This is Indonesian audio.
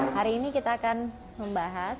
hari ini kita akan membahas